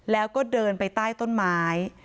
แล้วก็เดินไปใต้ต้นไม้